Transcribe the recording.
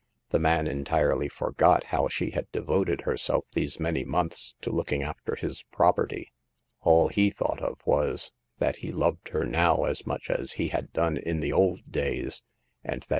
The man entirely forgot how she had devoted herself these many months to looking after his property ; all he thought of was, that he loved her now, as much as he had done in t\\e oVd d?L^^, attv^ *Cm.\.